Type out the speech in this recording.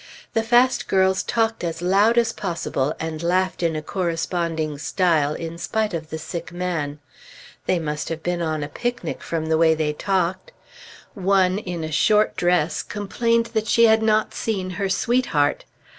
The fast girls talked as loud as possible and laughed in a corresponding style in spite of the sick man. They must have been on a picnic, from the way they talked. One in a short dress complained that she had not seen her sweetheart.